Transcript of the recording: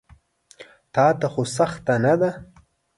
تاته خو سخته نه ده.